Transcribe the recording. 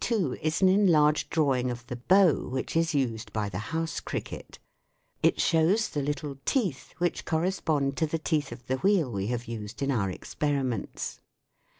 52 is an enlarged drawing of the " bow " which is used by the house cricket ; it shows the little teeth which cor respond to the teeth of the wheel we have used in our experiments.